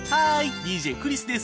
ＤＪクリスです。